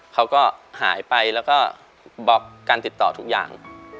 เขาก็หายไปแล้วก็บล็อกการติดต่อทุกอย่าง